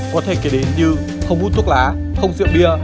có thể kể đến như không hút thuốc lá không rượu bia